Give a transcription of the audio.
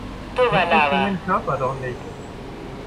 So funktionieren Körper doch nicht.